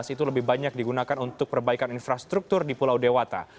itu lebih banyak digunakan untuk perbaikan infrastruktur di pulau dewata